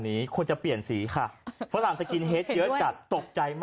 มีผมเกี่ยวโทษนะครับ